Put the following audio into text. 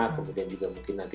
kemudian juga mungkin nanti